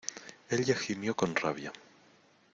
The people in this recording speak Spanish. ella gimió con rabia: